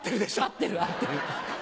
合ってる合ってる。